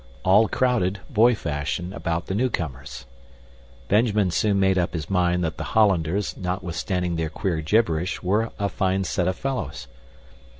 All crowded, boy fashion, about the newcomers. Benjamin soon made up his mind that the Hollanders, notwithstanding their queer gibberish, were a fine set of fellows.